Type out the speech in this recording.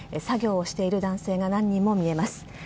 作業している男性が何人も見えます。